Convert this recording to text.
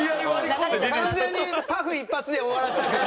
完全にパフ一発で終わらせた感じ。